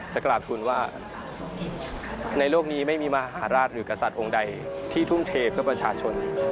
จะกราบทุนว่าในโลกนี้ไม่มีมหาราชหรือกษัตริย์องค์ใดที่ทุ่มเทเพื่อประชาชน